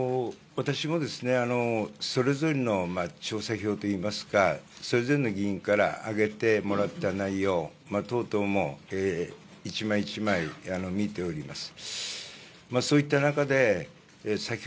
私もそれぞれの調査票といいますか、それぞれの議員から挙げてもらった内容等々も一枚一枚見ております。